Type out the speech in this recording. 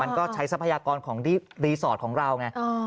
ใช้ทรัพยากรของรีสอร์ทของเราไง